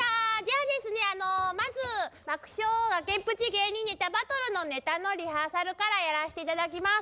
あのまず「爆笑崖っぷち芸人ネタバトル」のネタのリハーサルからやらして頂きます。